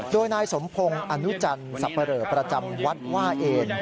โดยนายสมพงศ์อนุจันทร์สับปะเหลอประจำวัดว่าเอน